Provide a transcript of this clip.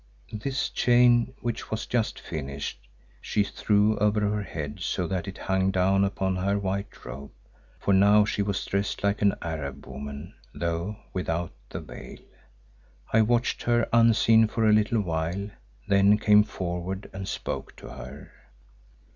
This chain, which was just finished, she threw over her head so that it hung down upon her white robe, for now she was dressed like an Arab woman though without the veil. I watched her unseen for a little while then came forward and spoke to her.